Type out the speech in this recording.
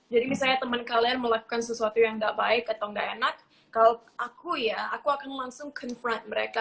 jadi misalnya temen kalian melakukan sesuatu yang gak baik atau gak enak kalau aku ya aku akan langsung confront mereka